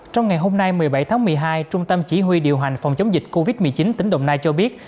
trong ngày hôm nay một mươi bảy tháng một mươi hai trung tâm chỉ huy điều hành phòng chống dịch covid một mươi chín tỉnh đồng nai cho biết